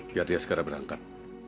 biar dia segera berangkat